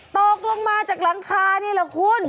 ตกลงมาจากหลังคานี่แหละคุณ